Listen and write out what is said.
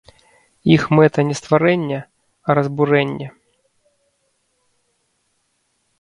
Іх мэта не стварэнне, а разбурэнне.